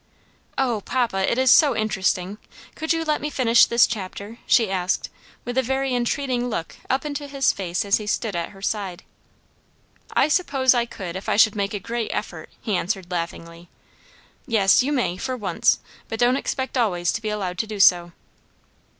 "Oh, papa, it is so interesting! could you let me finish this chapter?" she asked with a very entreating look up into his face as he stood at her side. "I suppose I could if I should make a great effort," he answered laughingly. "Yes, you may, for once, but don't expect always to be allowed to do so."